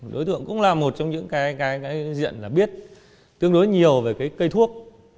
đối tượng cũng là một trong những diện biết tương đối nhiều về cây thuốc